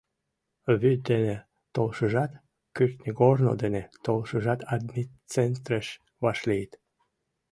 Вӱд дене толшыжат, кӱртньыгорно дене толшыжат адмицентреш вашлийыт.